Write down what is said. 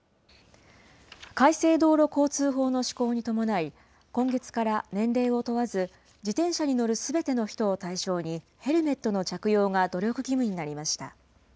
改正道路交通法の施行に伴い、今月から年齢を問わず、自転車に乗るすべての人を対象に、ヘルメットの着用が努力義務になりました。